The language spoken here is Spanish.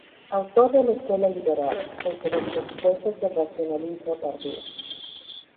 Autor de la Escuela liberal, desde los presupuestos del racionalismo tardío.